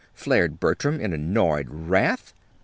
flared Bertram in annoyed wrath.